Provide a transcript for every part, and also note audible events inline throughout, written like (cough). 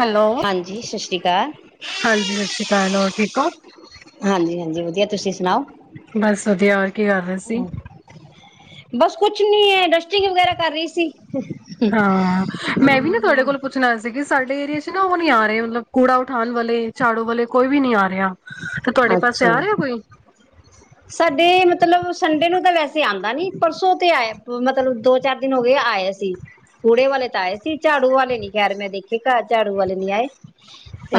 Hello ਹਾਂਜੀ ਸਤਿ ਸ਼੍ਰੀ ਅਕਾਲ ਹਾਂਜੀ ਸਤਿ ਸ਼੍ਰੀ ਅਕਾਲ ਹੋਰ ਠੀਕ ਹੋ। ਹਾਂਜੀ ਹਾਂਜੀ ਵਧੀਆ ਤੁਸੀਂ ਸੁਣਾਓ। ਬਸ ਵਧੀਆ ਹੋਰ ਕੀ ਕਰ ਰਹੇ ਸੀ। ਬਸ ਕੁੱਛ ਨੀ ਹੈ। ਇੰਡਸਟਿੰਗ ਵਗੈਰਾ ਕਰ ਰਹੀ ਸੀ, ਹਾਂ, ਹਾਂ ਮੇਰੇ ਚ ਨਾ ਉਹ ਨਹੀਂ ਆ ਰੇਹੇ ਮਤਲਬ ਕੂੜਾ ਉਥਾਨ ਵਾਲੇ ਝਾੜੂ ਵਾਲੇ ਕੋਈ ਵੀ ਨਹੀ ਆ ਰਹਿਆ (unintelligible) ਅੱਛਾ ਸਾਡੇ ਮਤਲਬ ਸੰਡੇ ਨੂੰ ਤਾਂ ਵੈਸੇ ਆਂਦਾ ਨੀ। ਪਰਸੋਂ ਤੇ ਆਏ ਮਤਲਬ ਦੋ ਚਾਰ ਦਿਨ ਹੋ ਗਏ ਆਏ ਸੀ। ਕੂੜੇ ਵਾਲੇ ਤਾਂ ਆਏ ਸੀ ਝਾੜੂ ਵਾਲੇ ਨੀ ਖੈਰ ਮੈਂ ਦੇਖੇ ਘਰ ਝਾੜੂ ਵਾਲੇ ਨੀ ਆਏ।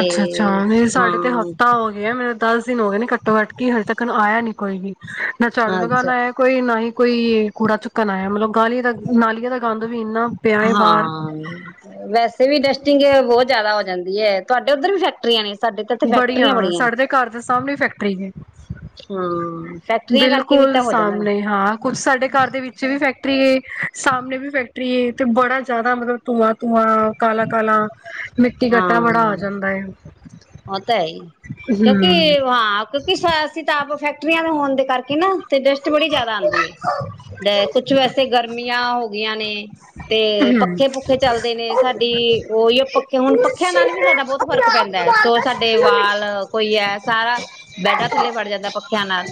ਅੱਛਾ-ਅੱਛਾ, ਨਹੀਂ ਸਾਡੇ ਤੇ ਹਾਂ ਹਫ਼ਤਾ ਹੋ ਗਿਆ ਮੇਰੇ ਦਸ ਦਿਨ ਹੋ ਗਏ ਨੇ ਘੱਟੋ-ਘੱਟ ਕਿ ਹਜੇ ਤੱਕ ਆਇ ਨੀ ਕੋਈ ਵੀ। ਨਾ ਝਾੜੂ ਅੱਛਾ ਲਗਾਉਣਾ ਹੈ ਕੋਈ ਨਾ ਹੀ ਕੋਈ ਕੂੜਾ ਚੁੱਕਣਾ ਹੈ ਮਤਲਬ ਗਾਲੀ ਦਾ ਨਾਲਿਆਂ ਤਕ ਗੰਦ ਵੀ ਇੰਨਾ। ਪਿਆ ਏ ਬਾਹਰ ਹਾਂ ਵੈਸੇ ਵੀ ਡਸਟਿੰਗ ਬਹੁਤ ਜਿਆਦਾ ਹੋ ਜਾਂਦੀ। ਤੁਹਾਡੇ ਉੱਧਰ ਵੀ ਫੈਕਟਰੀਆਂ ਨੇ? ਸਾਡੇ ਤਾਂ ਇੱਥੇ ਬੜੀਆਂ ਫੈਕਟਰੀਆਂ ਨੇ ਸਾਡੇ ਦੇ ਘਰ ਦੇ ਸਾਹਮਣੇ ਫੈਕਟਰੀ ਹੈ ਹਾਂ ਫੈਕਟਰੀਆਂ ਕਰਕੇ ਵੀ ਬਿਲਕੁਲ ਤਾਂ ਹੋ ਜਾਂਦਾ ਨਾ ਸਾਹਮਣੇ ਹਾਂ। ਕੁਛ ਸਾਡੇ ਘਰ ਦੇ ਵਿੱਚ ਵੀ ਫੈਕਟਰੀ ਸਾਹਮਣੇ ਵੀ ਫੈਕਟਰੀ। ਤੇ ਬੜਾ ਜ਼ਿਆਦਾ ਮਤਲਬ ਧੂੰਆਂ ਧੂੰਆਂ ਕਾਲਾ ਕਾਲਾ। ਮਿੱਟੀ ਹਾਂ ਕੱਟਾ ਬੜਾ ਹੋ ਜਾਂਦਾ ਹੈ। ਊ ਤੇ ਹੈ ਹੀ। ਕਿਉਂਕਿ ਹਮ ਹਾਂ ਕਿਉਂਕਿ ਸ ਅੱਸੀ ਤਾ ਆਪ ਫੈਕਟ ਫੈਕਟਰੀਆਂ ਦੇ ਹੋਣ ਦੇ ਕਰਕੇ ਨਾ ਤੇ ਡਸਟ ਬੜੀ ਜਿਆਦਾ ਆਂਦੀ ਹੈ ਤੇ ਕੁਛ ਵੈਸੇ ਤੇ ਗਰਮੀਆਂ ਹੋ ਗਈਆਂ ਨੇ ਤੇ ਹਮ ਪੱਖੇ ਪੁੱਖੇ ਚੱਲਦੇ ਨੇ, ਸਾਡੀ ਉਹਿਓ ਹੁਣ ਪੱਖਿਆਂ ਨਾਲ ਵੀ ਸਾਡਾ ਬਹੁਤ ਫਰਕ ਪੈਂਦਾ ਹੈ, ਸੋ ਸਾਡੇ ਵਾਲ ਕੋਈ ਹੈ ਸਾਰਾ ਬੈਡਾਂ ਥੱਲੇ ਵੜ ਜਾਂਦਾ ਪੱਖਿਆਂ ਨਾਲ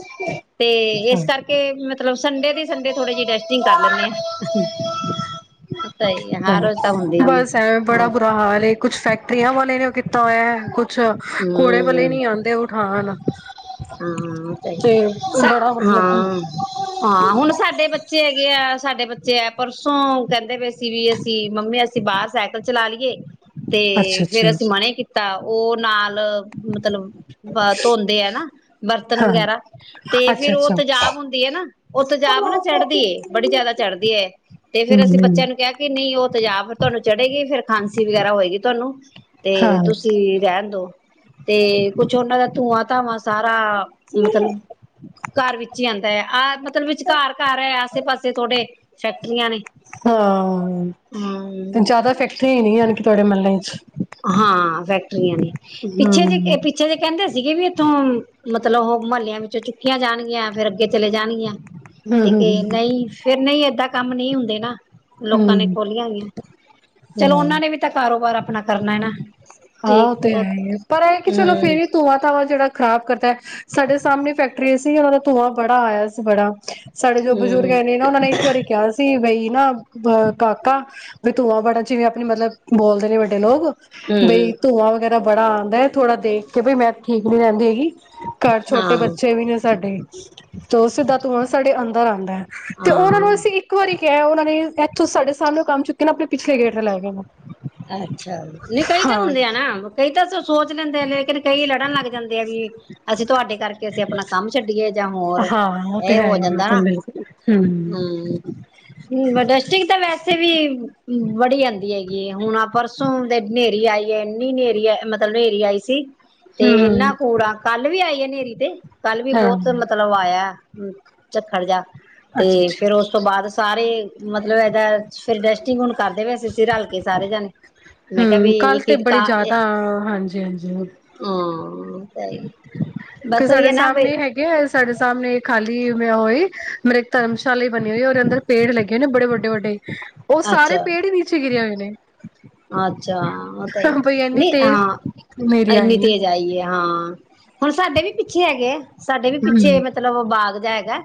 ਤੇ, ਇਸ ਕਰਕੇ ਮਤਲਬ ਸੰਡੇ ਦੀ ਸੰਡੇ ਥੋੜੇ ਜਿ ਟੈਸਟਿੰਗ ਕਰ ਲੈਂਨੇ ਆ। ਤਾਂ ਹੀ ਹਰ ਹਮ, ਰੋਜ਼ ਤਾਂ ਹੁੰਦੀ ਨੀ ਬਸ ਐਵੇ ਬੜਾ ਬੁਰਾ ਹਾਲ ਏ ਕੁਛ ਫੈਕਟਰੀਆਂ ਵਾਲੇ ਨੇ ਓ ਕੀਤਾ ਹੋਇਆ ਐ ਕੁਛ ਕੂੜੇ ਵਾਲੇ ਹਮ ਨੀ ਆਉਂਦੇ ਉਠਾਣ ਹਾਂ ਤੇ ਸਹੀ ਸਾ ਬੜਾ ਮਤਲਬ ਹਾਂ ਹਾਂ ਹੁਣ ਸਾਡੇ ਬੱਚੇ ਹੈਗੇ ਆ ਸਾਡੇ ਬੱਚੇ ਹੈ, ਪਰਸੋਂ ਕਹਿੰਦੇ ਪਏ ਸੀ ਵੀ ਅਸੀਂ ਮੰਮੀ ਅਸੀਂ ਬਾਹਰ ਸਾਈਕਲ ਚਲਾ ਲਈਏ ਅੱਛਾ ਤੇ ਫੇਰ ਅੱਛਾ ਅਸੀਂ ਮਨੇ ਕਿ (unintelligible) ਉਹ ਨਾਲ ਮਤਲਬ ਅ ਧੋਂਦੇ ਹੈ ਨਾ, ਬਰਤਨ ਹਾਂ, ਵਗੈਰਾ ਤੇ ਫੇਿਰ ਉਹ ਅੱਛਾ-ਅੱਛਾ। ਤੇਜਾਬ ਹੁੰਦੀ ਹੈ ਨਾ, ਉਹ ਤੇਜਾਬ ਨਾ ਹੂੰ, ਚੜ੍ਹਦੀਏ, ਬੜੀ ਜਿਆਦਾ ਚੜ੍ਹਦੀ ਹੈ, ਤੇ ਫੇਰ ਅਸੀਂ ਹੂੰ, ਬੱਚਿਆਂ ਨੂੰ ਕਿਹਾ ਕਿ ਨਹੀਂ ਉਹ ਤੇਜਾਬ ਤੁਹਾਨੂੰ ਚੜ੍ਹੇਗੀ ਫਿਰ ਖਾਂਸੀ ਵਗੈਰਾ ਹੋਏਗੀ ਤੁਹਾਨੂੰ ਤੇ ਹਾਂ। ਤੁਸੀਂ ਵੀ ਰਹਿਣ ਦੋ, ਤੇ ਕੁਛ ਉਹਨਾਂ ਦਾ ਧੂੰਆਂ ਧਾਵਾਂ ਸਾਰਾ ਮਤਲਬ ਘਰ ਵਿੱਚ ਈ ਆਂਦਾ ਐ, ਆਹ ਮਤਲਬ ਵਿਚਕਾਰ ਘਰ ਹੈ ਆਸੇ ਪਾਸੇ ਥੋਡੇ ਫੈਕਟਰੀਆਂ ਨੇ ਹਾਂ, ਹਮ ਜ਼ਿਆਦਾ ਫੈਕਟਰੀਆਂ ਈ ਨੇ ਯਨੀਕੀ ਤੁਹਾਡੇ ਮਹੱਲੇ ਚ (unintelligible) ਨੇ ਪਿੱਛੇ ਜੇ ਹੂੰ, ਪਿੱਛੇ ਜੇ ਕਹਿੰਦੇ ਸੀਗੇ ਵੀ ਇੱਥੋਂ ਮਤਲਬ ਉਹ ਮਹੱਲਿਆਂ ਵਿੱਚੋਂ ਚੁੱਕੀਆਂ ਜਾਣਗੀਆਂ ਫੇਰ ਅੱਗੇ ਚਲੇ ਜਾਣਗੀਆਂ। ਤੇ ਹੂੰ-ਹੂੰ, ਹੂੰ, ਏ ਨਹੀਂ ਫੇਰ ਨਹੀਂ ਏਦਾਂ ਕੰਮ ਨਹੀਂ ਹੁੰਦੇ ਨਾ। ਲੋਕਾਂ ਨੇ ਹੂੰ, ਖੋਲੀਆਂ ਹੋਈਆਂ, ਹੂੰ ਚਲੋ ਹਾਂ। ਉਹਨਾਂ ਨੇ ਵੀ ਤਾਂ ਕਾਰੋਬਾਰ ਆਪਣਾ ਕਰਨਾ ਨਾ। ਹਾਂ, ਉਹ ਠੀਕ ਤੇ ਹੈ ਈ ਐ, ਪਰ ਇਹ ਹੈ ਕਿ ਚਲੋ ਫੇਰ ਹਮ ਵੀ ਧੂੰਵਾਂ ਧਾਵਾਂ ਜਿਹੜਾ ਖ਼ਰਾਬ ਕਰਦਾ, ਸਾਡੇ ਸਾਹਮਣੇ ਫੈਕਟਰੀ ਸੀ ਉਹਨਾਂ ਦਾ ਧੂੰਆਂ ਬੜਾ ਆਇਆ ਸੀ ਬੜਾ ਸਾਡੇ ਜੋ ਬਜ਼ੁਰਗ ਹਮ ਹੈ ਨੇੇ ਨਾ, ਉਹਨਾਂ ਨੇ ਇੱਕ ਵਾਰੀ ਕਿਹਾ ਸੀ, ਬਈ ਨਾ ਅਹ ਕਾਕਾ ਵੀ ਧੂੰਆਂ ਬੜਾ ਜਿਵੇਂ ਆਪਣੇ ਮਤਲਬ ਬੋਲਦੇ ਨੇ ਵੱਡੇ ਲੋਕ ਬਈ ਹਮ ਧੂੰਆਂ ਵਗੈਰਾ ਬੜਾ ਆਂਦਾ ਹੈ, ਥੋੜਾ ਦੇਖ ਕੇ ਬਈ ਮੈਂ ਠੀਕ ਨੀ ਰਹਿੰਦੀ ਹੈਗੀ। ਘਰ ਛੋਟੇ ਹਾਂ ਬੱਚੇ ਵੀ ਨੇ ਸਾਡੇ ਤੇ ਉਹ ਸਿੱਧਾ ਧੂੰਆਂ ਸਾਡੇ ਅੰਦਰ ਆਉਂਦਾ ਹੈ ਤੇ ਉਹਨਾਂ ਹਾਂ ਨੂੰ ਅਸੀਂ ਇੱਕ ਵਾਰੀ ਕਿਹਾ ਉਹਨਾਂ ਨੇ ਇੱਥੋਂ ਸਾਡੇ ਸਾਹਮਣਿਓਂ ਕੰਮ ਚੁੱਕੇ ਨਾ ਆਪਣੇ ਪਿਛਲੇ ਗੇਟ ਤੇ ਲੈ ਗਏ ਨੇ। ਅੱਛਾ। ਨਹੀਂ, ਕਈ ਤਾਂ ਹਾਂ ਹੁੰਦੇ ਆ ਨਾ, ਕਈ ਤਾਂ ਸੋਚ ਲੈਂਦੇ ਨੇ ਲੇਕਿਨ ਕਈ ਲੜਨ ਲੱਗ ਜਾਂਦੇ ਆ ਵੀ ਅਸੀਂ ਤੁਹਾਡੇ ਕਰਕੇ ਅਸੀਂ ਆਪਣਾ ਕੰਮ ਛੱਡੀਏ ਜਾਂ ਹੋਰ ਹਾਂ ਉਹ ਤੇ ਇਹ ਹੈ ਹੋ ਹੀ ਜਾਂਦਾ ਬਿਲਕੁਲ ਬਿਲਕੁਲ ਹਮ ਹੰਮਮ ਡਸਟਿਕ ਤਾਂ ਵੈਸੇ ਵੀ ਵੜੀ ਜਾਂਦੀ ਹੈਗੀ ਆ। ਹੁਣ ਪਰਸੋਂ ਦੇ ਹਨੇਰੀ ਆਈ ਹੈ ਇੰਨੀ ਹਨੇਰੀ ਮਤਲਬ ਹਨੇਰੀ ਆਈ ਸੀ। ਤੇ ਹਮ ਇਹਨਾਂ ਕੂੜਾ ਕੱਲ ਵੀ ਆਈ ਹੈ ਹਨੇਰੀ ਤੇ। ਕੱਲ ਵੀ ਹਾਂ ਬਹੁਤ ਮਤਲਬ ਆਇਆ। ਹਮ ਚੱਖੜ ਜਾ। ਤੇ ਅੱਛਾ ਅੱਛਾ ਫੇਰ ਉਸ ਤੋਂ ਬਾਅਦ। ਸਾਰੇ ਮਤਲਬ ਇਹਦਾ ਫੇਰ ਡਸਟਿੰਗ ਹੁਣ ਕਰਦੇ ਵੈਸੇਸੀ ਰਲ ਕੇ ਸਾਰੇ ਜਾਣੇ ਮੈਂ ਕਿਹਾ ਹਮ ਵੀ ਕੱਲ ਇੱਕ ਤੇ ਇੱਕ ਬੜੀ ਤਾਂ ਜ਼ਿਆਦਾ ਹਾਂਜੀ ਹਾਂਜੀ। ਹਾਂ ਸਹੀ। ਕਿ ਸਾਡੇ ਸਾਹਮਣੇ ਹੈਗੇ ਆ ਸਾਡੇ ਸਾਹਮਣੇ ਖਾਲੀ ਮੈਂ ਹੋਏ। ਮੇਰੇ ਇੱਕ ਧਰਮਸ਼ਾਲੀ ਬਣੀ ਹੋਈ ਉਂਦੇ ਅੰਦਰ ਪੇੜ ਲੱਗੇ ਹੋ ਨੇ ਬੇ ਵੱਡੇ ਵੱਡੇ। ਉਹ ਸਾਰੇ ਅੱਛਾ ਪੇੜ ਹੀ ਨੀਚੇ ਗਿਰਿਆ ਹੋਏ ਨੇ। ਅੱਛਾ ਉਹ ਤਾਂ ਹੀ ਬਈ ਇੰਨੀ ਨਹੀਂ ਤੇਜ਼ ਹਾਂ ਹਨੇਰੀ ਐਨੀ ਆਈ ਹੈ ਤੇਜ ਆਈਏ ਹਾਂ ਹੁਣ। ਸਾਡੇ ਵੀ ਪਿੱਛੇ ਹੈਗੇ। ਸਾਡੇ ਵੀ ਪਿੱਛੇ ਹਮ ਮਤਲਬ ਬਾਅਦ। ਹੈਗਾ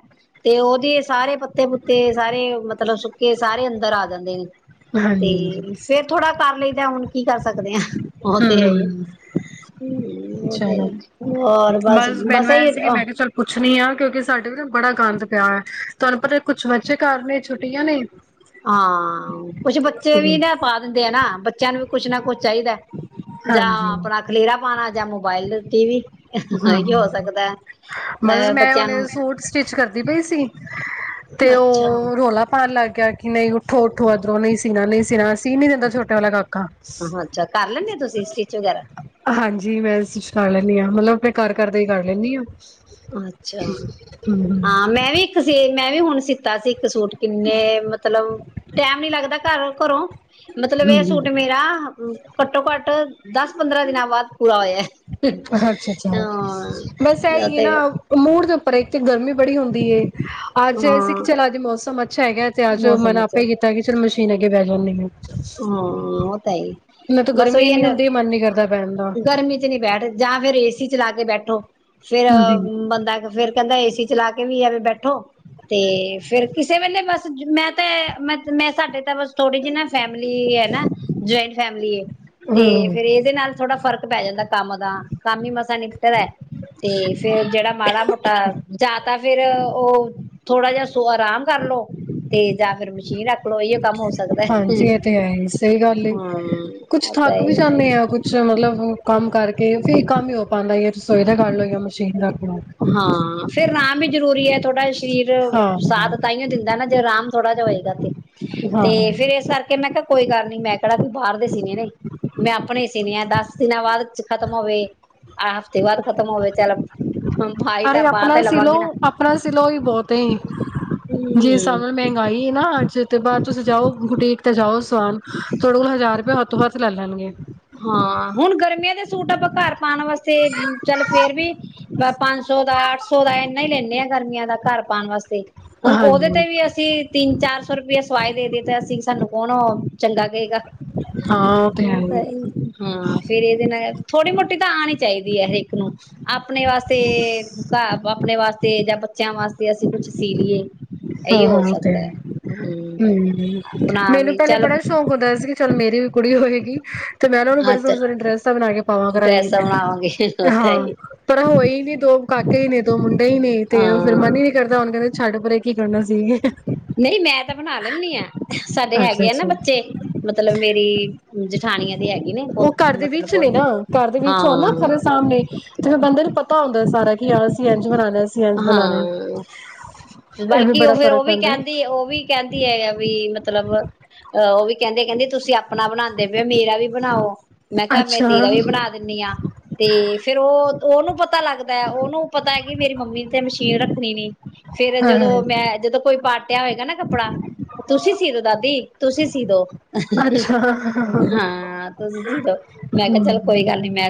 ਤੇ ਉਹਦੇ ਸਾਰੇ ਪੱਤੇ ਪੁੱਤੇ ਸਾਰੇ। ਮਤਲਬ ਸੁੱਕੇ ਸਾਰੇ ਅੰਦਰ ਆ ਜਾਂਦੇ ਨੇ। ਤੇ ਹਾਂਜੀ ਹਮ ਫਿਰ? ਕਰ ਲਈ ਦਾ ਹੁਣ ਕੀ ਕਰ ਸਕਦੇ ਹਾਂ। ਹਮ ਉਹ ਤੇ ਚਲੋ ਹੋਰ ਬਸ ਮੈਨੂੰ ਐ ਇਹੀ ਸੀ ਕਿ ਹਾਂ ਮੈਂ ਕਿਹਾ ਚੱਲ ਪੁੱਛਣੀ ਆ ਕਿਉਂਕਿ ਸਾਡੇ ਬੜਾ ਗੰਦ ਪਿਆ ਹੈ। ਤੁਹਾਨੂੰ ਪਤਾ? ਕੁਛ ਮਜ਼ੇ ਕਾਰ ਨੇ ਛੁੱਟੀਆਂ ਨੇ? ਹਾਂ ਕੁਛ ਬੱਚੇ ਵੀ ਨਾ ਪਾ ਦਿੰਦੇ ਆ ਨਾ। ਬੱਚਿਆਂ ਨੂੰ ਵੀ ਕੁਛ ਨਾ ਕੁਛ ਚਾਹੀਦਾ। ਜਾਂ ਹਾਂਜੀ ਆਪਣਾ ਖਲੇਰਾ ਜਾਂ ਮੋਬਾਇਲ ਉੱਤੇ ਵੀ। ਇਹੀ ਹੋ ਹਮ ਸਕਦਾ ਬਸ ਅ ਮੈਂ ਬੱਚਿਆਂ ਉਹਨੇ ਨੂੰ ਸੂਟ ਸਟਿਚ ਕਰਦੀ ਪਈ ਸੀ ਤੇ ਅੱਛਾ ਉਹ ਰੌਲਾ ਪਾਉਣ ਲੱਗ ਗਿਆ। ਕਿ ਨਹੀਂ ਉੱਠੋ ਉੱਠੋ ਇੱਧਰੋਂ ਨਹੀਂ ਸੀਣਾ ਨਹੀਂ ਸੀਣਾ ਸੀ ਨਹੀਂ ਦਿੰਦਾ ਛੋਟੇ ਵਾਲਾ ਕਾਕਾ। ਅੱਛਾ ਕਰ ਲੈਂਨਦੇ ਹੋ ਤੁਸੀਂ ਸਟਿਚ ਵਗੈਰਾ? ਜੀ ਮੈਂਛਖਾ ਲੈਂਦੀ ਹਾਂ ਮਤਲਬ। ਮੈਂ ਘਰ ਕਰਦੇ ਹੀ ਕਰ ਲੈਂਦੀ ਹਾਂ ਅੱਛਾ ਹਮ ਹਾਂ ਮੈਂ ਵੀ ਇੱਕ ਸੇ ਮੈਂ ਵੀ ਹੁਣ ਸਿੱਤਾ ਸੀ ਇੱਕ ਸੂਟ ਕਿੰਨੇ ਮਤਲਬ ਟੈਮ ਨੀ ਲੱਗਦਾ ਘਰ ਕਰੋ ਮਤਲਬ ਇਹ ਹਮ ਸੂਟ ਮੇਰਾ ਘੱਟੋ, ਘੱਟ ਦਸ ਪੰਦਰਾਂ ਦਿਨਾਂ ਬਾਅਦ ਪੂਰਾ ਹੋਇਆ। ਅੱਛ, ਅੱਛਾ ਬਸ ਆ ਹਾਂ ਹੀ ਹੈ ਨਾ ਤੇ ਮੂੜ ਦੇ ਪਰ ਇੱਕਥ ਗਰਮੀ ਬੜੀ ਹੁੰਦੀ ਏ ਅੱਜ ਇਹ ਸੀ ਕਿ ਹਾਂ ਚੱਲ ਅੱਜ ਮੌਸਮ ਅੱਛਾ ਹੈਗਾ ਤੇ ਅੱਜ ਮਨ ਮੌਸਮ ਚ ਆਪੇ ਹੀ ਕੀਤਾ ਕਿ ਚਲੋ ਮਸ਼ੀਨ ਗ ਬੈ ਜਾ ਨ ਹਾਂ ਉਹ ਤਾਂ ਹੀ ਇਹਨਾਂ ਤਾਂ ਬਸ ਗਰਮੀ ਉਹੀ ਹੈ ਇਨੀ ਨਾ ਹੁੰਦੀ। ਮਨ ਨੀ ਕਰਦਾ ਪੈਣ ਦਾ। ਗਰਮੀ ਚ ਨਹੀਂ ਬੈਠ ਜਾਂ ਫਿਰ ਏਸੀ ਚਲਾ ਕੇ ਬੈਠੋ। ਫੇਿਰ ਹੂੰ ਬੰਦਾ ਫੇਿਰ ਕਹਿੰਦਾ ਇਹਸੀ ਚਲਾ ਕੇ ਵੀ ਆਵੇਂ ਬੈਠੋ ਤੇ। ਫੇਿਰ ਕਿਸੇ ਵੇਲੇ ਬਸ ਮੈਂ ਤਾਂ ਮ ਮੈਂ ਸਾਡੇ ਤਾਂ ਬਸ ਤੋਂੜੀ ਜਿਨਾ ਤੇ ਐਨਾ ਨਾ ਜੁਆਇੰਟ ਫੈਮਿਲੀ ਤੇ ਹੂੰ, ਫੇਰ ਇਹਦੇ ਨਾਲ ਥੋੜਾ ਫ਼ਰਕ ਪੈ ਜਾਂਦਾ ਕੰਮ ਦਾ। ਕੰਮ ਹੀ ਮਸ ਨਿਕਟਦਾ ਤੇ ਫੇਰ ਜਿਹੜਾ ਮਾੜਾ ਮੋਟਾ ਜਾਤ ਤਾਂ ਫੇਰ ਉਹ ਥੋੜਾ ਜਿਹਾ ਸ ਆਰਾਮ ਕਰਲੋ ਤੇ। ਜਾਂ ਫਿਰ ਮਸ਼ੀਨ ਰੱਖ ਆਪੋਹੀ ਕੰਮ ਹੋ ਸਕਦਾ। ਹਾਂਜੀ ਤੇ ਹੈ ਹੀ ਸਹੀ ਹਮ ਗੱਲ, ਕੁੱਛ ਉਹ ਤਾਂ ਥੱਕ ਵੀ ਹੈ ਜਾਂਦੇ ਆਾਂ ਕੁੱਛ ਮਤਲਬ ਕੰਮ ਕਰ ਕਰਕੇ ਫੇਰ ਕੰਮ ਹੀ ਹੋ ਪਾਉਂਦਾ ਰਸੋਈ ਦਾ ਕਰ ਲ ਲੋ ਜਾਂ ਮਸ਼ੀਨ ਦਾ ਕਰੋ। ਹਾਂ ਫੇਿਰਾਮ ਵੀ ਜ਼ਰੂਰੀ ਹੈ ਥੋੜ੍ਹਾ ਸਰੀਰ ਹਾਂ ਸਾਦ ਤਾਂਓ ਦਿੰਦਾ ਨਾ ਤੇਰਾਮ ਥੋੜਾ ਜਿ ਹੋਏਗਾ ਤੇ ਹਾਂ ਤੇ ਹਾਂ ਫੇਿਰ ਇਸ ਕਰਕੇ ਮੈਂ ਕਿਹਾ ਕੋਈ ਗੱਲ ਨੀ ਮੈਂ ਕਿਹੜਾ ਵੀ ਬਾਹਰ ਦੇ ਸੀਨ ਨੇ ਮੈਂ ਆਪਣੇ ਸੀਨ ਆ ਦਸ ਦਿਨਾਂ ਬਾਅਦ ਖਤਮ ਹੋਵੇ ਆਹ ਹਫ਼ਤੇ ਬਾਅਦ ਖਤਮ ਹੋਵੇ ਚੱਲ ਪਾਈ ਅਰੇ ਤਾਂ ਪਾ ਆਪਣਾ ਤੇ ਸਿਲੋ ਲਵਾਂਗੀ ਨਾ ਆਪਣਾ ਸਿਲਓ ਹੀ ਬਹੁਤ ਜੀ ਹੂੰ ਸਣੇ ਮਹਿੰਗਾਈ ਨਾ ਅੱਜ ਤੋਂ ਬਾਅਦ ਤੁਸੀਂ ਜਾਓ ਗੁਟੀਕ ਜਾਓ ਸਵ ਥੋੜੇ ਕੋਲ ਹਜ਼ਾਰ ਰੁਪ ਤ ਹੱਥ ਲੈ ਲੈਣਗੇ ਹਾਂ ਹੁਣ ਗਰਮੀਆਂ ਦੇ ਸੂਟ ਆਪਾਂ ਘਰ ਪਾਉਣ ਵਾਸਤੇ ਚੱਲ ਫੇਰ ਵੀ ਪੰਜ ਸੌ ਦਾ ਅੱਠ ਸੌ ਦਾ ਹੀ ਲੈਂਦੇ ਆਾਂ ਗਰਮੀਆਂ ਦਾ ਘਰ ਪਾਉਣ ਵਾਸਤੇ ਹੁਣ ਉਹਦੇ ਹਾਂਜੀ ਤੇ ਵੀ ਅਸੀਂ ਤਿੰਨ ਚਾਰ ਸੌ ਰੁਪਆ ਸਵਾਏ ਦੇ ਦਿੱਤੇ ਅਸੀਂ ਸਾਨੂੰ ਕਣ ਚੰਗਾ ਕਹੇਗਾ ਹਾਂ ਉਹ ਤੇ ਹੈ ਹੋ ਹੀ ਹਾਂ ਫੇਰ ਇਹਦੇ ਨਾਲ ਥੋੜੇ ਮੋਟੇ ਤਾਂ ਆਣੀ ਚਾਹੀਦੀ ਹੈ ਇੱਕ ਨੂੰ ਆਪਣੇ ਵਾਸਤੇ ਆਪਣੇ ਵਾਸਤੇ ਜਾਂ ਬੱਚਿਆਂ ਵਾਸਤੇ ਅਸੀਂ ਕੁਛ ਸੀ ਲਈਏ ਇਹੀ ਹੋ ਸਕਦਾ ਹੈ ਹਮ ਹਮ ਆਪਣਾ ਮੈਨੂੰ ਵੀ ਪਹਿਲੇ ਚੱਲ ਬੜਾ ਸ਼ੌਕ ਹੁੰਦਾ ਸੀ ਕਿ ਚਲ ਮੇ ਮੇਰੀ ਵੀ ਕੁੜੀ ਹੋਏਗੀ ਤੇ ਮੈਂਨ ਨੂੰ ਬੜੇ ਅੱਛਾ ਸੋਹਣੇ ਸੋਹਣੇ ਇ ਡਰੈਸਟਾਂ ਬਣਾ ਕੇ ਪਾਵਾਂ ਕਰਾਂਗੀ ਡਰੈਸਾਂ ਬਣਾਵਾਂਗੇ ਉਹ ਤਾਂ ਹਾਂ ਹੀ ਪਰ ਹੋਈ ਨੀ ਦੋ ਕਕੇ ਹੀ ਨੇੀਦੋ ਮੁ ਹੀ ਨਹੀਂ ਤੇ ਉਹ ਫੇਿਰ ਮਨ ਹਾਂ ਹੀ ਨੀ ਕਰਦਾ ਹੁਣ ਕਹਿੰਦੇ ਛੱਡ ਪਰੇ ਕੀ ਕਰਨਾ ਸੀ ਨਹੀਂ ਮੈਂ ਤਾਂ ਬਣਾ ਲੈਂਦੀ ਹਾਂ ਸਾਡੇ ਅੱਛਾ ਹੈਗੇ ਆ ਨਾ ਅੱਛਾ ਬੱਚੇ ਮਤਲਬ ਮੇਰੀ ਜਠਾਣੀਆਂ ਦੀ ਹੈਗੀ ਨੇ ਉਹ ਬਹੁਤ ਘਰ ਦੇ ਵਿੱਚ ਨੇ ਮਤਲਬ ਨਾ ਘਰ ਦੇ ਵਿੱਚ ਹੋ ਨਾ ਹਾਂ ਖਰੇ ਸਾਹਮਣੇ ਤੇ ਫਿਰ ਬੰਦੇ ਪਤਾ ਹੁੰਦਾ ਸਾਰਾ ਕਿ ਆ ਹਾਂ ਇਹ ਵੀ ਬਲਕਿ ਬੜਾ ਉਹ ਫੇਿਰ ਫ਼ਰਕ ਉਹ ਵੀ ਪੈਂਦਾ ਕਹਿੰਦੀ ਉਹ ਵੀ ਕਹਿੰਦੀ ਹੈ ਆ ਵੀ ਮਤਲਬ ਅਹ ਉਹ ਵੀ ਕਹਿੰਦੇ ਕਹਿੰਦੇ ਤੁਸੀਂ ਆਪਣਾ ਬਣਾਉਂਦੇ ਫੇ ਮੇਰਾ ਵੀ ਬਣਾਓ ਮੈਂ ਕਿਹਾ ਮੈਂ ਅੱਛਾ ਤੇੀਰਾ ਵੀ ਬਣਾ ਦਿੰਦੀ ਹਾਂ ਤੇ ਫੇਰ ਉਹ ਉਹਨੂੰ ਪਤਾ ਲੱਗਦਾ ਹੈ ਉਹਨੂੰ ਪਤਾ ਹੈ ਕਿ ਮੇਰੀ ਮੰਮੀ ਨੂੰ ਮਸ਼ੀਨ ਰੱਖਣੀ ਨੀ ਫੇਰ ਜਦੋਂ ਹਾਂ ਮੈਂ ਜਦੋਂ ਕੋਈ ਪਾਟਿਆ ਹੋਏਗਾ ਨਾ ਕੱਪੜਾ ਤੁਸੀਂ ਸੀਦੋ ਦਾਦੀ ਤੁਸੀਂ ਸੀ ਦੋ ਅੱਛਾ ਹਮ ਹਾਂ ਤੁਸੀ ਜੀਦੋ ਮੈਂ ਅੱਛਾ ਕਿਹਾ ਚਲ ਹਮ ਕੋਈ ਗੱਲ ਨੀ ਮੈਂ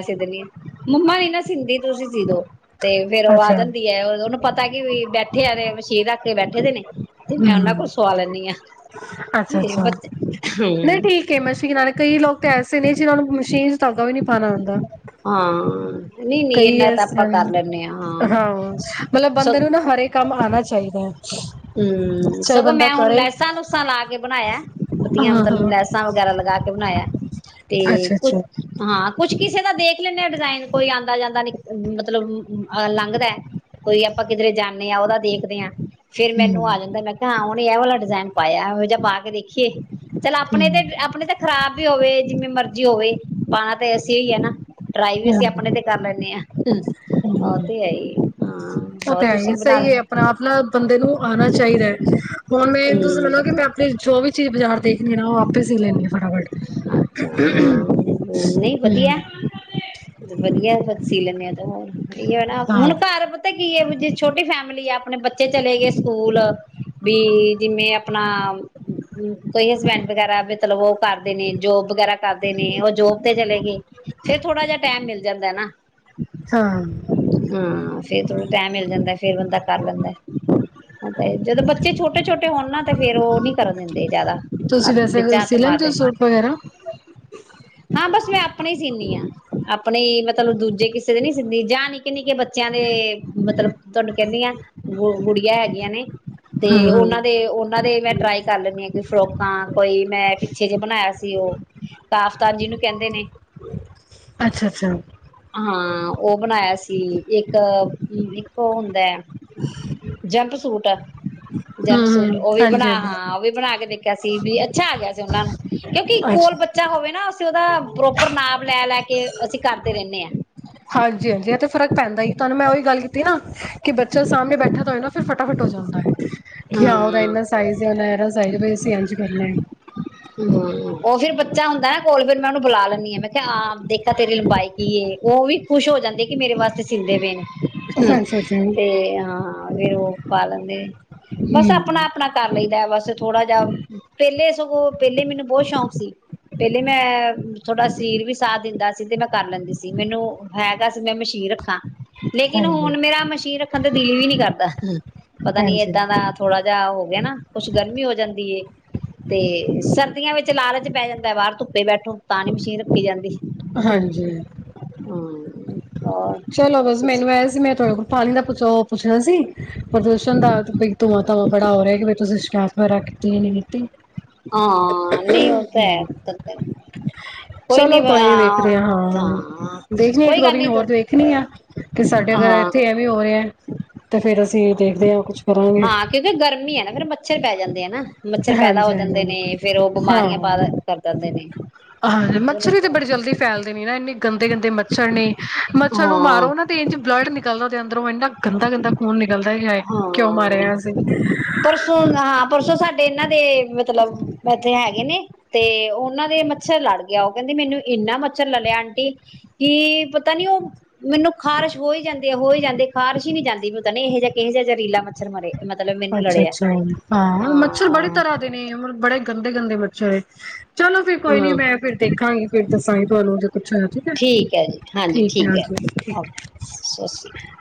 ਮੰਮਾ ਨ ਨਾ ਸਿੰਦੀ ਤੁਸੀਂ ਸੀਦੋ ਤੇ ਫੇਰ ਉਹ ਆ ਅੱਛਾ ਜਾਂ ਉਹਨੂੰ ਪਤਾ ਕਿ ਬੈਠੇ ਆੇ ਮਸ਼ੀਰ ਰੱਖ ਕੇ ਬੈਠੇ ਦੇ ਨੇ ਤੇ ਮੈਂ ਉਹਨਾਂ ਕੋਲ ਸਵਾ ਲੈਦੀ ਹਾਂ ਤੇ ਅੱਛਾ ਬੱਚ ਨਹੀਂ ਹਮ ਠੀਕ ਹੈ ਮਸ਼ੀਨ ਵਾਲੇ ਕਈ ਲੋਕ ਤਾਂ ਐਸੇ ਨੇ ਜਿਹਨਾਂ ਨੂੰ ਮਸ਼ੀਨ ਚ ਧਾਗਾ ਵੀ ਨਹੀਂੀ ਪਾਣਾ ਹੁੰਦਾ ਹਾਂ ਨਹੀਂ ਨਹੀਂ ਕਈ ਇੰਨਾ ਹੈ ਇਸ ਤਾਂ ਆਪਾਂ ਤਰ੍ਹਾਂ ਦੇ ਕਰ ਲੈਂਦੇ ਹਾਂ ਸਗ ਨਾ ਹਰੇ ਕੰਮ ਆਉਣਾ ਚਾਹੀਦਾ ਹੈ ਹਮ ਚਾਹੇ ਸਗੋਂ ਬੰਦਾ ਮੈਂ ਹੁਣ ਕਰੇ ਲੈਸਾਂ ਲੂਸਾਂ ਲਾ ਕੇ ਬਣਾਇਆ ਵਤੀਆਂ ਹਾਂ ਮਤਲਬ ਹਾਂ ਲੈਸਾਂ ਵਗੈਰਾ ਲਗਾ ਕੇ ਬਣਾਇਆ ਤੇ ਅੱਛਾ ਕੁਛ ਅੱਛਾ ਹਾਂ ਕੁਛ ਕਿਸੇ ਦਾ ਦੇਖ ਲੈਂਦੇ ਹਾਂ ਡਿਜ਼ਾਇਨ ਕੋਈ ਆਉਂਦਾ ਜਾਂਦਾ ਨ ਮਤਲਬ ਲੰਘਦਾ ਕੋਈ ਆਪਾਂ ਕਿਧਰੇ ਜਾਂਦੇ ਹਾਂ ਉਹਦਾ ਦੇਖਦੇ ਹਾਂ ਫੇਰ ਮੈਨੂੰ ਹਮ ਆ ਜਾਂਦਾ ਮੈਂ ਕਿਹਾ ਆਪ ਇਹ ਵਾਲਾ ਡਿਜ਼ਾਇਨ ਪਾਇਆੋ ਜਹਾ ਪਾ ਕੇ ਦੇਖੀਏ ਚਲ ਆਪਣੇ ਤੇ ਹਮ ਆਪਣੇ ਤੇ ਖ਼ਰਾਬ ਵੀ ਹੋਵੇ ਜਿਵੇਂ ਮਰਜ਼ ਹੋਵੇ ਪਾਣਾ ਤਾਂ ਅਸੇ ਹੀ ਹੈ ਨਾ ਟਰਾਈ ਵੀ ਅਸੀਂ ਆਪਣੇ ਹਮ ਤੇ ਕਰ ਲੈਂਦੇ ਹਾਂ ਉਹ ਤੇ ਹੈ ਹੀ ਹਾਂ ਉਹ ਹੋਰ ਤਾਂ ਹੈ ਹੀ ਹੈ, ਤੁਸੀਂ ਬਣਾ ਸਹੀ ਹੈ ਲੈਣਾ ਆਪਣਾ ਆਪਣਾ ਬੰਦੇ ਨੂੰ ਆਉਣਾ ਚਾਹੀਦਾ ਹੈ ਹੁਣ ਮੈਂ ਤੁਸੀਂ ਹੂੰ ਮੰਨੂੰ ਕਿ ਮੈਂ ਆਪਣੀ ਜੋ ਵੀ ਚੀ ਬਾਜ਼ਾਰ ਦੇਖਣੀ ਐ ਨਾ, ਉਹ ਆਪੇ ਸੀ ਲੈੈਂਦੇ ਆ (unintelligible) (inaudible) ਨਹੀਂ ਵਧੀਆ ਹੂੰ, ਵਧੀਆ ਸੀ ਲੈਨੇ ਆਂ ਤਾਂ ਹੋਰ ਅਹਿਯੋ ਨਾ ਹਾਂ, ਮੈਨੂੰ ਘਾਰ ਪਤਾ ਕੀ ਜੇ ਛੋਟੀ ਫੈਮਿਲੀ ਆ ਆਪਣੇ ਬੱਚੇ ਚਲੇ ਗਏ ਸਕੂਲ ਵੀ ਜਿਵੇਂ ਆਪਣਾ ਕੋਈ ਹਸਬੈਂਡ ਵਗੈਰਾ ਮਤਲਬ ਉਹ ਕਰ ਦੇ ਨੇ ਜੋਬ ਵਗੈਰਾ ਕਰਦੇ ਨੇ ਉਹ ਜੋਬ ਤੇ ਚਲੇ ਗਏ ਫੇਰ ਥੋੜਾ ਜਿਹਾ ਟਾਈਮ ਮਿਲਦਾ ਜਾਂਦਾ ਨਾ ਹਾਂ ਹਾਂ ਤੇ ਥੋੜਾ ਟੈਮ ਮਿਲ ਜਾਂਦਾ ਫੇਰ ਬੰਦਾ ਕਰ ਲੈਂਦਾ ਤੇ ਜਦੋਂ ਬੱਚੇ ਛੋਟੇ ਛੋਟੇ ਹੋਣ ਨਾ ਤੇ ਫੇਰ ਉਹ ਨੀ ਕਰਨ ਦਿੰਦੇ ਜਿਆਦਾ ਹੱ ਤੁਸੀਂ ਵੈਸੇ ਵਿੱਚ ਹੱਥ ਸੀ ਲੈਂਦੇ ਹੋ ਮਾਰਦੇ ਸੂਟ ਵਗੈਰਾ? ਹਾਂ ਬਸ ਮੈਂ ਆਪਣੇ ਹੀ ਸੀਨੀ ਆਪਣੇ ਮਤਲਬ ਦੂਜੇ ਕਿਸੇ ਦੇ ਨੀ ਸਿੱਦੀ ਜਾਂ ਨਿੱਕੇ ਨਿੱਕੇ ਬੱਚਿਆਂ ਦੇ ਮਤਲਬ ਤੁਹਾਨੂੰ ਕਹਿੰਦੀ ਹ ਗੁ ਗੁੜੀਆਂ ਹੈਗੀਆਂ ਨੇ, ਤੇ ਹਾਂ-ਹਾਂ, ਉਹਨਾਂ ਦੇ ਉਹਨਾਂ ਦੇ ਮੈਂ ਟਰਾਈ ਕਰ ਲੈਂਦੀ ਹਾਂ ਕਿ ਫਰੋਕਾਂ ਕੋਈ ਮੈਂਟ (unintelligible) ਬਣਾਇਆ ਸੀ ਉਹ ਕਾਫਤਾਨ ਜੀਨੂੰ ਕਹਿੰਦੇ ਨੇ ਅੱਛਾ-ਅੱਛਾ। ਹਾਂ ਉਹ ਬਣਾਇਆ ਸੀ ਇੱਕ ਇੱਕ ਉਹ ਹੁੰਦਾ ਹੈ। ਜੈਟ ਸੂਟ ਹੈ। ਜੰਪ ਸੂਟ ਹੂੰ-ਹੂੰ, ਉਹ ਵੀ ਬਣਾ ਹਾਂਜੀ-ਹਾਂਜੀ, ਹਾਂ ਉਹ ਵੀ ਲੱਗਦੇ। (inaudible) (inaudible) ਵੀ ਅੱਛਾ ਆ ਗਿਆ ਸੀ ਉਹਨਾਂ ਨੂੰ ਕਿਉਂਕਿ ਕੋਲ ਅੱਛਾ। ਬੱਚਾ ਹੋਵੇ ਨਾ ਅਸੀਂ ਉਹਦਾ ਪ੍ਰੋਪਰ ਨਾਮ ਲੈ ਲੈ ਕੇ ਅਸੀਂ ਕਰ ਹਾਂਜੀ ਹਾਂਜੀ ਇਹ ਤੇ ਫ਼ਰਕ ਪੈਂਦਾ ਹੀ, ਤੁਹਾਨੂੰ ਮੈਂ ਉਹੀ ਗੱਲ ਕੀਤੀ ਨਾ ਕਿ ਬੱਚਾ ਸਾਹਮਣੇ ਬੈਠਾ ਤਾਂ ਹੋਏ ਨਾ ਫਟਾਫਟ ਹੋ ਜਾਂਦਾ ਹੈ। ਕਯਾ ਹੋ ਰਹਾ ਹੈ ਹੂੰ ਇੰਨਾ ਸਾਈਜ਼ ਯਾ ਮੇਰਾ ਸਾਈਜ਼ ਵਾਇਜ਼ ਤੇ ਇੰਜ ਕਰਨਾ। ਔਹੀ ਬੱਚਾ ਹੁੰਦਾ ਨਾ ਕੋਲ ਫਿਰ ਮੈਂ ਉਹਨੂੰ ਬੁਲਾ ਲੈਂਦੀ ਹਾਂ ਮੈਂ ਹਾਂ ਦੇਖਾ ਤੇਰੀ ਲੰਬਾਈ ਕੀ ਏ ਉਹ ਵੀ ਖੁਸ਼ ਹੋ ਜਾਂਦੇ ਕਿ ਮੇਰੇ ਵਾਸਤੇ ਸੀਂਦੇ ਨੇ ਐ। ਹਮ ਅੱਛਾ-ਅੱਛਾ, ਤੇ ਹਾਂ (unintelligible) (inaudible) ਬਸ ਆਪਣਾ ਹੂੰ, ਆਪਣਾ ਕਰ ਲਈ ਏ ਬਸ ਥੋੜਾ ਜਿਹਾ ਪਹਿਲੇ ਸਗੋਂ ਪਹਿਲੇ ਮੈਨੂੰ ਬਹੁਤ ਸ਼ੌਂਕ ਸੀ ਪਹਿਲੇ ਮੈਂ ਥੋੜਾ ਸ਼ਰੀਰ ਵੀ ਸਾਥ ਦਿੰਦਾ ਸੀ ਤੇ ਮੈਂ ਕਰ ਲੈਂਦੀ ਸੀ ਮੈਨੂੰ ਹੈਗਾ ਸੀ ਮੈਂ ਮਸ਼ੀਨ ਰੱਖਾਂ। ਲੇਕਿਨ ਹਾਂਜੀ। ਹੁਣ ਮੇਰਾ ਮਸ਼ੀਨ ਰੱਖਣ ਤੇ ਦਲੀ ਵੀ ਨਹੀ ਕਰਦਾ। ਹਮ। ਪਤਾ ਨੀ ਹਾਂਜੀ ਏਦਾਂ ਦਾ ਥੋੜਾ ਹੋ ਗਿਆ ਨਾ ਕੁਛ ਗਰਮੀ ਹੋ ਜਾਂਦੀ ਏ ਤੇ ਸਰਦੀਆਂ ਵਿੱਚ ਲਾਲਚ ਪੈ ਜਾਂਦਾ ਹੈ ਬਾਹਰ ਧੁੱਪੇ ਬੈਠੋ ਤਾਂ ਨੀ ਮਸ਼ੀਨ ਰੱਖੀ ਜਾਂਦੀ। ਹਾਂਜੀ ਹਮ। ਚਲੋ ਬਸ ਮੈਨੂੰ ਏ ਸੀ ਮੈਂ ਤੁਹਾਡੇ ਕੋਲ ਪਾਣੀ ਦਾ ਪੁੱਛ ਪੁੱਛਣਾ ਸੀ। ਪ੍ਰਦੂਸ਼ਣ ਦਾ ਧੂੰਆਂ ਧਵਾਂ ਬੜਾ ਹੋ ਰਿਹਾ ਕਿ ਤੁਸੀਂ ਸ਼ਿਕਾਇਤ (unintelligible) ਕੀਤੀ ਇਹ ਨ ਕੀਤੀ ਹਾਂ ਨਹੀਂ ਉਹ ਤਾਂ ਹੈ (inaudible) ਕੋਈ ਨੀ ਚਲੋ ਆਨ ਵੇਖਦੇ ਹਾਂ ਹਾਂ ਦੇਖਣੀ ਇੱਕ ਕੋਈ ਦੋ ਗੱਲ ਦਿਨ ਨੀ ਤੂੰ ਹੋਰ ਦੇਖਣੀ ਆ ਕਿ ਸਾਡੇ ਅਗਰ ਇੱਥੇ ਐਵੇਂ ਹੋ ਰਹੇ ਤੇ ਫੇਰ ਅਸੀਂ ਦੇਖਦੇ ਹਾਂ ਕੁਛ ਕਰਾਂਗੇ ਹਾਂ ਕਿਉਂਕਿ ਗਰਮੀ ਹੈ ਨਾ ਫੇਿਰ ਮੱਛਰ ਪੈ ਜਾਂਦੇ ਆ ਨਾ ਮੱਛਰ ਪੈਦਾ ਹੋ ਹਾਂਜੀ ਜਾਂਦੇ ਹਾਂਜੀ ਨੇ ਫੇਿਰ ਉਹ ਬਿਮਾਰੀਆਂ ਪਦਾ ਕਰ ਜਾਂਦੇ ਨੇ ਹਾਂਜੀ ਮੱਛਲੀ ਤੇ ਚਲੋ ਬੜੀ ਜਲਦੀ ਫੈਲਦੇ ਨੇ ਨਾ ਇੰਨੀ ਗੰਦੇ ਗੰਦੇ ਮੱਛਰ ਨੇ ਮੱਛਰ ਨੂੰ ਹਾਂ ਮਾਰੋ ਨਾ ਤੇ ਇੰਝ ਬਲੱਡ ਨਿਕਲਦਾ ਉਹਦੇ ਅੰਦਰੋਂ ਇੰਨਾ ਗੰਦਾ ਗੰਦਾ ਖੂਨ ਨਿਕਲਦਾ ਹੀ ਕਿਉਂ ਹਾਂ ਮਾਰਿਆ ਹ ਅਸੀਂ ਪਰਸੋਂ ਹਾਂ ਪਰਸੋਂ ਸਾਡੇ ਇਹਨਾਂ ਦੇ ਮਤਲਬ ਇੈਥੇ ਹੈਗੇ ਨੇ ਤੇ ਉਹਨਾਂ ਦੇ ਮੱਛਰ ਲੜ ਗਿਆ ਉਹ ਕਹਿੰਦੀ ਮੈਨੂੰ ਇੰਨਾ ਮੱਛਰ ਲੜਿਆ ਆਂਟੀ ਕੀ ਪਤਾ ਨੀ ਉਹ ਮੈਨੂੰ ਖ਼ਾਰਸ਼ ਹੋ ਹੀ ਜਾਂਦੇ ਹੋਈ ਜਾਂਦੇ ਖ਼ਾਰਸ਼ ਨਹੀਂੀ ਜਾਂਦੀ ਮੈੂੰ ਤਾਂ ਨਹੀਂ ਇਹ ਜਹਾੋ ਜਿਹਾ ਰੀਲਾ ਮੱਛਰ ਮਰੇ ਮਤਲਬ ਮੈਨੂੰ ਅੱਛਾ ਲੜਿਆ ਅੱਛਾ ਹਾਂ ਮੱਛਰ ਬੜੇ ਤਰ੍ਹਾਂ ਦੇ ਨੇਬ ਬੜੇ ਗੰਦੇ ਗੰਦੇ ਬਛਾ ਚਲੋ ਫਰ ਕੋਈ ਨੀ ਹੂੰ, ਮੈਂ ਫਿਰ ਦੇਖਾਂਗੀ ਫਿਰ ਦੱਸਾਂਗੀ ਤੁਹਾਨੂੰ ਜੇ ਕੁਛ ਠੀਕ ਹੈ ਜੀ, ਹਾਂਜੀ ਠੀਕ ਹੈ ਹਜੀ ਓਕੇ ਸਤਿ ਸ਼੍ਰੀ ਅਕਾਲ। ਠੀਕ